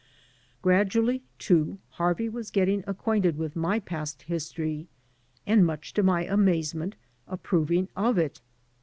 Gradually, too, Harvey was getting acquainted witji^ my past history and, much to my amazement, approv ing of it.